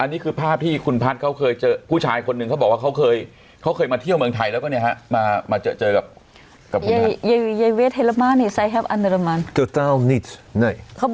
เนี้ยต้องถามความรู้สึกปีเตอร์นะรู้สึกยังไงคุณปีเตอร์เพิ่งรู้ใช่ไหม